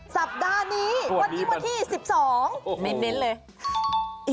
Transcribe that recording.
สัปดาห์นี้บันนี้มันที่๑๒